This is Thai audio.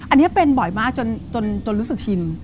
อันนี้เป็นบ่อยมากจนรู้สึกชิน